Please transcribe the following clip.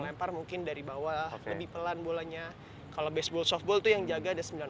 lempar mungkin dari bawah lebih pelan bolanya kalau baseball softball itu yang jaga ada sembilan